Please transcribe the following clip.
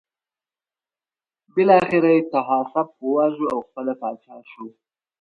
بالاخره یې طاهاسپ وواژه او پخپله پاچا شو.